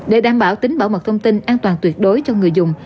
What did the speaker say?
để đảm bảo tính bảo mật thông tin an toàn tuyệt đối cho người dùng